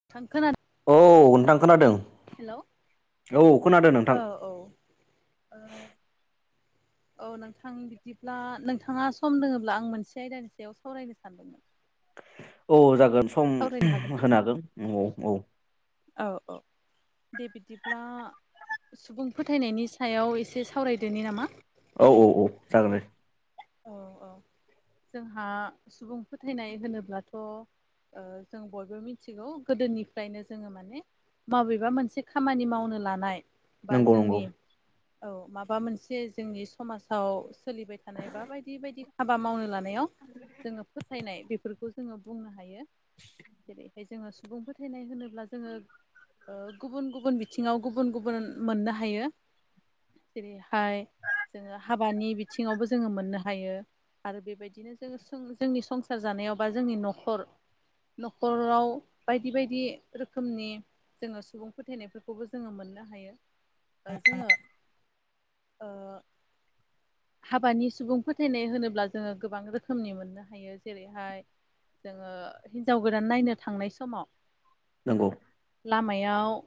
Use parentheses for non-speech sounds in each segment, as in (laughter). नोंथां खोनादो? औ नोंथां खोनादों औ खोनादों नोंथां। औ। ओ औ नोंथां बिदिब्ला नोंथांङा सम दोङोब्ला आं मोनसे आयदानि सायाव सावरायनो सानदोंमोन। औ जागोन सम (unintelligible) हागोन (unintelligible) औ। औ औ दे बिदिब्ला सुबुं फोथायनायनि सायाव एसे सावराय दोनि नामा? औ औ औ जागोन दे। औ औ (inaudible) जोंहा सुबुं फोथायनाय होनोब्लाथ' ओ जों बयबो मिथिगौ गोदोनिफ्रायनो जोंङो माने माबेबा मोनसे खामानि मावनो लानाय बा नंगौ नंगौ जोंनि औ माबा मोनसे जोंनि समाजाव सोल थानाय बा बायदि बायदि हाबा मावनो लानायाव जोंङो फोथायनाय बेफोरखौ जोंङो बुंनो हायो। जेरैहाय जोंङो सुबुं फोथायनाय होनोब्ला जोंङो ओ गुबुन गुबुन बिथिङाव गुबुन गुबुन मोननो हायो। जेरैहाय जोंङो हाबानि बिथिंङावबो जो जोंङो मोननो हायो आरो बेबायदिनो जोंङो (inaudible) जोंनि संसार जानायाव बा जोंनि न'खर न'ख राव बायदि बायदि रोखोमनि जोंङो सुबुं फोथायनाय फोरखौबो जोंङो मोननो हायो। ओ जोंङो ओ हाबानि सुबुं फोथायनाय होनोब्ला जोंङो गोबां रोखोमनि मोननो हायो जेरैहाय जोंङो हिनजाव गोदान नायनो थांनाय समाव नोंगौ। लामायाव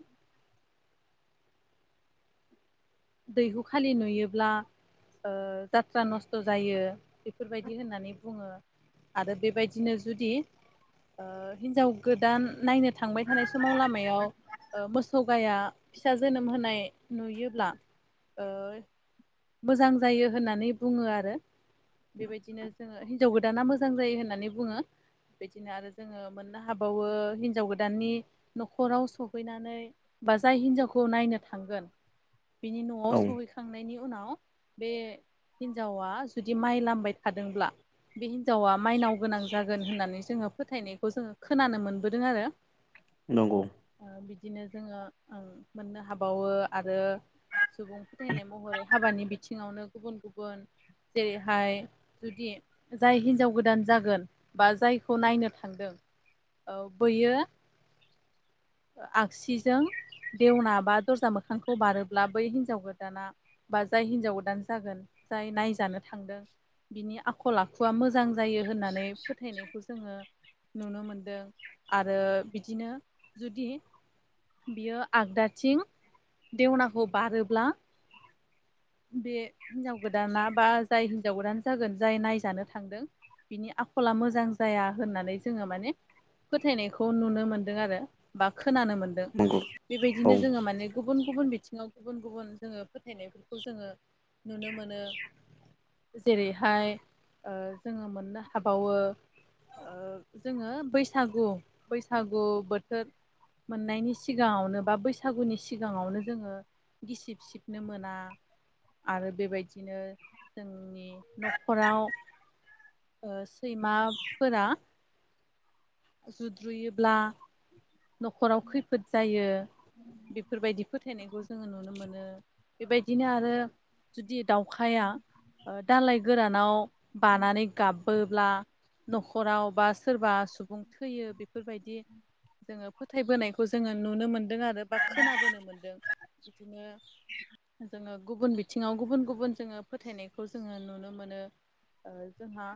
दैहु खालि नुयोब्ला ओ जाथ्रा नस्थ' जायो बेफोरबायदि होननानै बुंङो। आरो बेबायदिनो जुदि ओ हिनजाव गोदान नायनो थांबाय थानाय समाव लामायाव ओ मोसौ गाया फिसा जोनोम होनाय नुयोब्ला ओ मोजां जायो होननानै बुंङो आरो। बेबायदिनो जोंङो हिन्जाव गोदाना मोजां जायो होननानै बुङो बेदिनो आरो जोङो मोननो हाबावो हिनजाव गोदाननि न'खराव सहैनानै बा जाय हिनजावखौ नायनो थांगोन बिनि न'आव औ सहैखा खांनायनि उनाव बे हिनजावा जुदि माइ लामबाय थादोंब्ला (unintelligible) हिन्जावा माइनाव गोनां जागोन होननानै जोंङो फोथायनायखौ जोंङो खोनानो मोनबोदों आरो। नंगौ। ओ बिदिनो जोंङो मोननो हाबावो आरो सुबुं फोथायनाय महरै हाबानि बिथिंङावनो गुबुन गुबुन जेरैहाय जुदि जाय हिनजाव गोदान जागोन बा जायखौ नायनो थांदों औ बोयो आगसिजों देवना बा दरजा मोखांखौ बारोब्ला बै हिनजाव गोदाना बा जाय हिनजाव गोदान जागोन जाय नायजानो थांदों बिनि आखल आखुआ मोजां जायो होननानै फोथायनायखौ जोङो नुनो मोनदों। आरो बिदिनो जुदि बियो आगदाथिं देवनाखौ बारोब्ला बे हिनजाव गोदाना बा जाय हिनजाव गोदान जागोन जाय नायजानो थांदों बिनि आखला मोजां जाया होननानै जोङो माने फोथायनायखौ नुनो मोनदों आरो बा खोनानो मोनदों। नंगौ। औ बेबायदिनो जोङो माने गुबुन गुबुन बिथिङाव गुबुन गुबुन जोङो फोथायनायफोरखौ जोङो नुनो मोनो। जेरैहाय ओ जोङो मोननो हाबावो ओ जोङो बैसागु बैसागु बोथोर मोननायनि सिगाङावनो बा बैसागुनि सिगाङावनो जोङो गिसिब सिबनो मोना। आरो बेबायदिनो जोंनि नखराव ओ सैमाफोरा जुद्रुयोब्ला नखराव खैफोद जायो बेफोरबायदि फोथायनायखौ जोङो नुनो मोनो। बेबायदिनो आरो जुदि दाउखाया दालाय गोरानाव बानानै गाबबोब्ला नखराव बा सोरबा सुबुं थैयो बेफोरबायदि जोङो फोथायबोनायखौ जोङो नुनो मोनदों आरो बा खोनाबोनो मोनदों। बिदिनो जोङो गुबुन बिथिङाव गुबुन गुबुन जोङो फोथायनायखौ जोङो नुनो मोनो। ओ जोंहा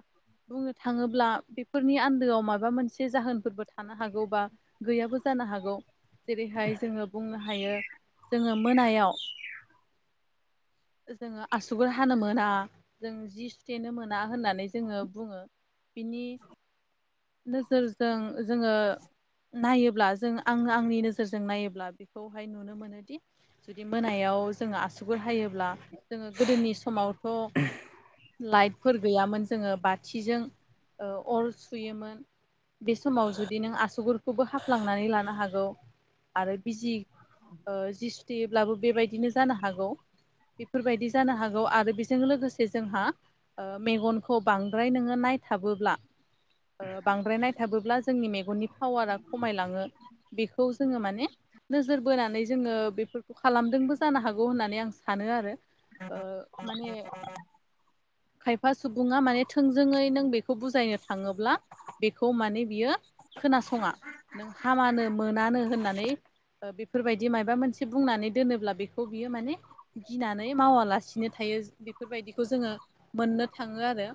बुंनो थाङोब्ला बेफोरनि आन्दोआव माबा मोनसे जाहोनफोरबो थानो हागौ बा गैयाबो जानो हागौ जेरैहाय जोङो बुंनो हायो जोङो मोनायाव (unintelligible) जोङो आसुगुर हानो मोना जों जि सुथेनो मोना होननानै जोङो बुङो। बिनि नोजोरजों जोङो नायोब्ला जों आं आंनि नोजोरजों नायोब्ला बेखौहाय नुनो मोनोदि जुदि मोनायाव जोङो आसुगुर हायोब्ला जोङो गोदोनि समावथ' लाइट फोर गैयामोन जोङो बाथिजों ओ अर सुयोमोन। बे समाव जुदि नों आसुगुर खौबो हाफ्लांनानै लानो हागौ आरो बिजि ओ जि थेयोब्लाबो बेबायदिनो जानो हागौ। बेफोरबायदि जानो हागौ आरो बेजों लोगोसे जोंहा ओ मेगनखौ बांद्राय नोङो नायथाबोब्ला ओ बांद्राय नायथाबोब्ला जोंनि मेगननि पावारा खमायलाङो बेखौ जोङो माने नोजोर बोनानै जोङो बेफोरखौ खालामदोंबो जानो हागौ होननानै आं सानो आरो ओ माने खायफा सुबुङा माने थोंजोङै नों बेखौ बुजायनो थाङोब्ला बेखौ माने बियो खोनासङा नों हामानो मोनानो होननानै ओ बेफोरबायदि माबा मोनसे बुंनानै दोनोब्ला बेखौ बियो माने गिनानै मावालासिनो थायो बेफोरबायदिखौ जोङो मोननो थाङो आरो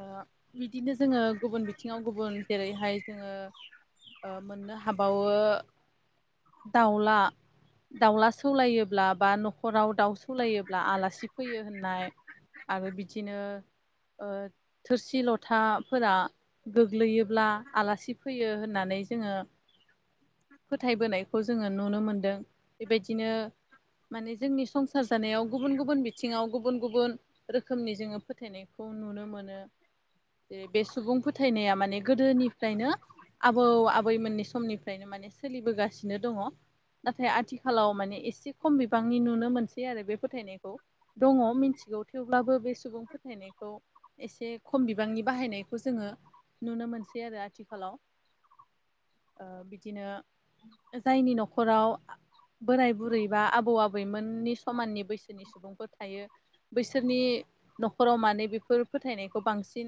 ओ बिदिनो जोङो गुबुन बिथिङाव गुबुन जेरैहाय जोङो ओ मोननो हाबावो दाउला दाउला सौलायोब्ला बा नखराव दाउ सौलायोब्ला आलासि फैयो होननाय आरो बिदिनो ओ थोरसि लथाफोरा गोग्लैयो - - ब्ला आलासि फैयो होननानै जोङो फोथायबोनायखौ जोङो नुनो मोनदों बेबायदिनो माने जोंनि संसार जानायाव गुबुन गुबुन बिथिङाव गुबुन गुबुन रोखोमनि जोङो फो फोथायनायखौ नुनो मोनो बे सुबुं फोथायनाया माने गोदोनिफ्रायनो आबौ आबै मोननि समनिफ्रायनो माने सोलिबोगासिनो दङ। नाथाय आथिखालाव माने एसे खम बिबांनि नुनो मोनसै आरो बे फोथायनायखौ। दङ मिथिगौ थेवब्लाबो बे सुबुं फोथायनायखौ एसे खम बिबांनि बाहायनायखौ जोङो नुनो मोनसै आरो आथिखालाव ओ बिदिनो जायनि न'खर न'खराव बोराय बुरै बा आबौ आबैमोननि समाननि बैसोनि सुबुंफोर थायो बैसोरनि न'खराव मानो बेफोर फोथायनायखौ बांसिन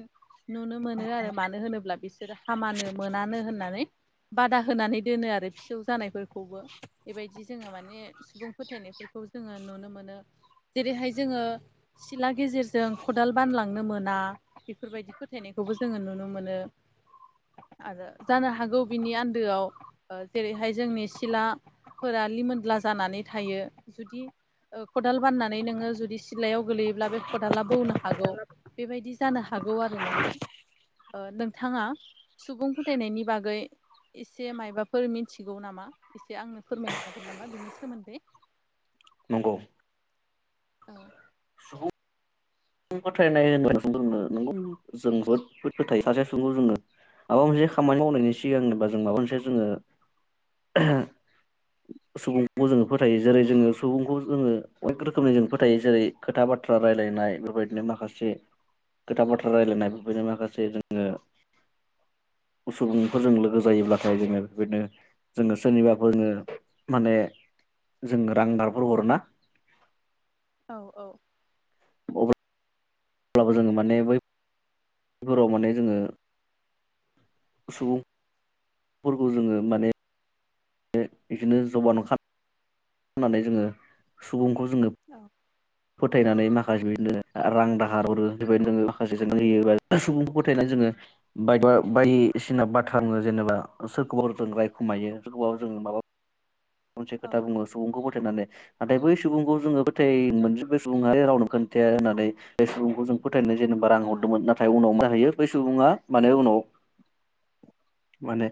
नुनो मोनो आरो मानो होनोब्ला बिसोरो हामानो मोनानो होननानै बादा होनानै दोनो आरो फिसौ जानायफोरखौबो बेबायदि जोङो माने सुबुं फोथायनायफोरखौ जोङो नुनो मोनो जेरैहाय जोङो सिला गेजेरजों खदाल बानलांनो मोना बेफोरबायदि फोथायनायखौबो जोङो नुनो मोन नुनो मोनो। आरो जानो हागौ बिनि आन्दोआव ओ जेरैहाय जोंनि सिला फोर लिमोनला जानानै थायो जुदि ओ खदाल बाननानै नोङो जुदि सिलायाव गोगलैयोब्ला बे खदाला बौनो हागौ बेबायदि जानो हागौ आरो नोंथां। ओ नोंथाङा सुबुं फोथायनायनि बागै एसे मायबाफोर मिथिगौ नामा एसे आंनो फोरमायनो हागोन नामा बिनि सोमोन्दै। नंगौ। औ। सुबुं फोथायनाय होन नंगौ जों बदबोद फोथायो सासे सखौ जोङो (unintelligible) माबा मोनसे खामानि मावनायनि सिगां होनोबा जों माबा मोनसे जोङो - (inaudible) सुबुंखौ जोङो फोथायो जेरै जोङो सुबुंखौ जोङो अनेक रोखोमनि जों फोथायो जेरै खोथा बाथ्रा रायलायनाय बे बेबायदिनो माखासे खोथा बाथ्रा रायजलायनाय बेबायदिनो माखासे जोङो सुबुंफोरजों लोगो जायोब्लाथाय जोङो बेबायनो जोङो सोरनिबाफोरो माने जों रांदारफोर हरोना। औ - औ। अब्लाबो जोङो माने बैफोराव माने जोङो सुबुंफोरखौ जोङो माने बे बिदिनो जबान'नानै जोङो सुबुंखौ जोङो (unintelligible) औेल (unintelligible) फोथायनानै माखासे बिदिनो रां दाहार हरो बेबायनोङो माखासे जो होयोा सुबुंखौ फोथायनानै जोङो (unintelligible) बाय बायदिसिना बाथ्राङो जेनेबा सोरखौबा जों रायखुमायो सोरखौबा जो माबा (unintelligible) मोनसे औ ओ खोथा बुङो सुबुंखौ फोथायनानै। नाथाय बै सुबुंखौ जोङो फथाय मोनजोोब बे सुब रावनो खोन्थाया होननानै बे सुबुंखौ जों (unintelligible) फोथायनो जेनेबा रां ओ हरदोंमोन नाथाय उनाव मा हायो बै सुबुङा माने उनाव माने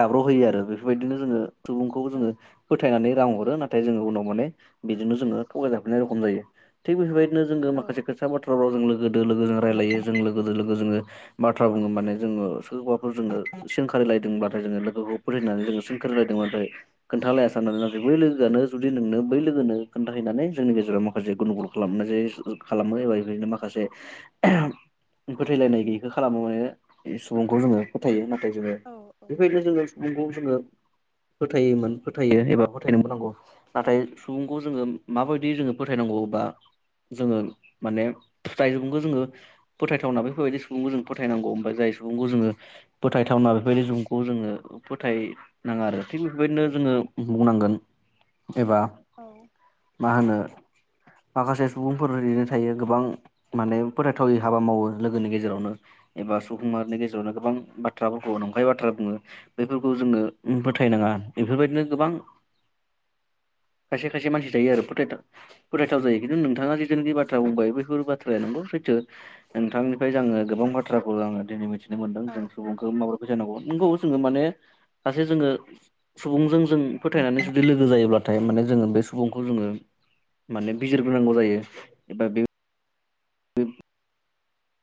गाब्र'होयो आरो बेफोरबायदिनो जोङो सुबुंखौ औ जोंङो। फोथायनानै रां हरो नाथाय जोङो उनाव माने बिजोंनो जोंङो थगायजाफिननाय रखम जायो। थिग बेफोरबायदिनो जोङो औ माखासे खोथा बाथ्राफोराव जों लोगोदो लोगोजों रायजलायो जों लोगोदो लोगो जोंङो। बाथ्रा बुङो माने जोङो सोरखौबाफोर जोङो सोंखारि लायदोंब्लाथाय जोंङो लोगोखौ होननानै जों सोंखोरायदोंमोन खोनथालायासै साननानै नाथाय बै लोगोआनो जुदि नोंनो बै लोगोन खोन्थाहैनानै जोंनि गेजेराव माखासे गुनदुगुल खालामनाय जायो खालामो एबा बेफोरदिनो माखासे फोथायैलायनाय गैयिखौ खालामो माने सुबुंखौ जोङो फोथायो जोंङो औ बेफोरबायदिनो जोंङो सुबुंखौ जोङो फोथायोमोन। फोथायो एबा फोथायनोबो नांगौ नाथाय सुबुंखौ जोङो माबायदि जोंङो फोथायनांगौ बा जोङो माने (unintelligible) फोथायथावना बेफोरबायदि सुबुंखौ जों फोथायनांगौ ओमफाय जाय सुबुंखौ जोंङो फोथायथावना बेफोरबायदि सुबुंखौखौ जोंङो फोथायनाङा आरो थिग बेफोरबायदिनो जोंङो। बुंनांगोन एबा औ मा होनो माखासे सुबुंफोर ओरैनो थायो गोबां माने फोथायथावै हाबा मावो लोगोनि गेजेरावनो एबा सुबुंमाहारिनि गेजेरावनो गोबां बाथ्राफोरखौ नंखाय बाथ्रा बुंङो। बेफोरखौ जोंङो फोथायनाङा बेफोरबायदिनो गोबां खायसे खायसे मानसि थायो आरो फोथायथाव फोथायथाव जायो खिन्थु नोंथाङा जिथुनोखि बाथ्रा बुंबाय बेफोर बाथ्राया नोंगौ सैथो नोंथांनिफ्राय आंङो गोबां बाथ्राखौ आंङो दिनै मिथि (unintelligible) सुबुंखौ माबोरै फोथायनांगौ नोंगौ जोङो माने सासे जोङो सुबुंजों जों फोथायनानै जुदि लोगो जायोब्लाथाय माने जोङो बे सुबुंखौ जोंङो। माने बिजिरग्रोनांगौ जायो एबा बे बे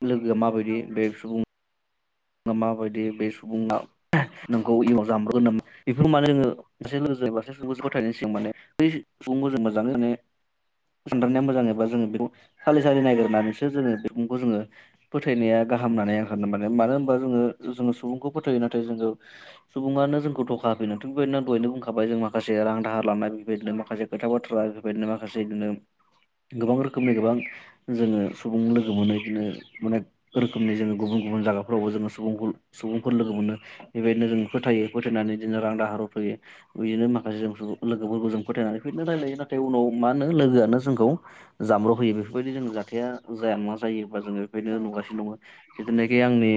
लोगोआ औ माबायदि बे सुबुं माबायदि बे सुबुंङा नोंखौ इयुनाव जामब्रहोगोन नामा बेफोरखौ माने एसे लोगो जायोबाथाय (unintelligible) माने बै (unintelligible) सानदेरनाया मोजां एबा जोङो बेखौ सालि सालि नायग्रोनानैसो जोङो (unintelligible) जोंङो फोथायनाया गाहाम होननानै आं साननो माने मानो होनबा जोङो जोंङो सुबुंखौ फोथायो नाथाय जोंङो। सुबुङानो जोंखौ थखा होफैनो (unintelligible) दहायनो बुंखाबाय जों माखासे रां दाहार लानाय बेबायदिनो माखासे खोथा बाथ्रा बेफोरबायदिनो माखासे इदिनो गोबां रोखोमनि गोबां जोंङो सुबुं लोगो मोनो इदिनो अनेक रोखोमनि जोंङो गुबुन गुबुन जागा फोरावबो जोंङो सुबुं-सुबुंफोर लोगो मोनो बेबायदिनो जों फोथायो फोथायनानै बिदिनो रां दाहार हरथ'यो बिदिनो माखासे जों लोगोफोरखौ जों फोथायनानै (unintelligible) रायलायो नाथाय उनाव मा होनो लोगोआनो जोंखौ जामब्र' होयो बेफोरबायदि जों जाथाया जाया नङा जायो बा जोंङो। बेनो नुगासिनो दंङ जिथुनाखि आंनि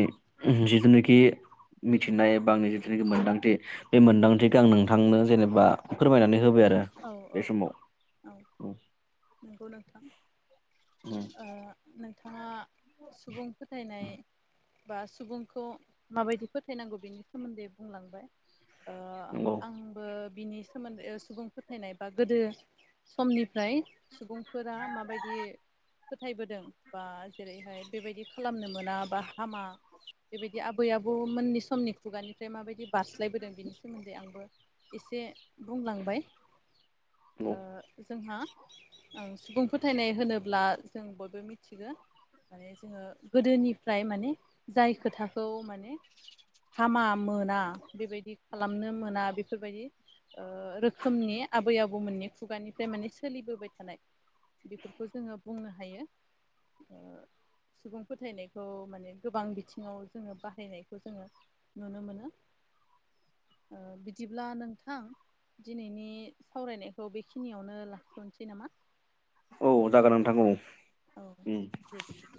जिथुनाखि मिथिनाय एबा आंनि जिथुनाखि मोन्दांथि बे मोनदांथिखो आं नोंथांनो जेनेबा फोरमायनानै होबाय आरो औ बे औ समाव औ उम नंगौ नोंथां उम ओ नोंथाङा सुबुं फोथायनाय बा सुबुंखौ माबायदि फोथायनांगौ बेनि सोमोन्दै बुंलांबाय ओ नंगौ नंगौ आंबो बिनि सोमोन्दै सुबुं फोथायनाय बा गोदो समनिफ्राय सुबुंफोरा माबायदि फोथायबोदों बा जेरैहाय बेबायदि खालामनो मोना बा हामा बेबायदि आबै आबौ मोननि समनि खुगानिफ्राय माबायदि बारस्लायबोदों बेनि सोमोन्दै आंबो एसे बुंलांबाय ओ जोंहा सुबुं फोथायनाय होनोब्ला जों बयबो मिथिगौ माने जोङो गोदोनिफ्राय माने जाय खोथाखौ माने हामा मोन ना बेबायदि खालामनो मोना बेफोरबायदि ओ रोखोमनि आबै आबौमोननि खुगानिफ्राय माने सोलिबोबाय थानाय। बेफोरखौ जोङो बुंनो हायो ओ सुबुं फोथायनायखौ माने गोबां बिथिङाव जोङो बाहायनायखौ जोङो नुनो मोनो ओ बिदिब्ला नोंथां दिनैनि सावरायनायखौ बेखिनियावनो लाखिथ'नोसै नामा? औ जागोन नोंथां औ औ उम। दे बिदिब्ला